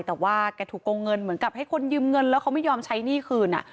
แต่ว่าแกถูกโกงเงินเหมือนกับให้คนยืมเงินแล้วเขาไม่ยอมใช้หนี้คืน